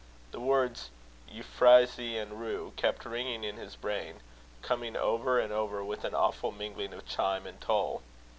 The words "euphrasy and rue" kept ringing in his brain, coming over and over with an awful mingling of chime and toll.